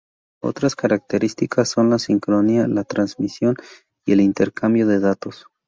Otras características son la sincronía, la transmisión y el intercambio de datos.